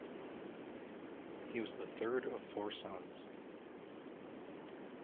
He was the third of four sons.